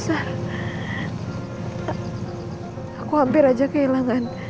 aku hampir saja kehilangan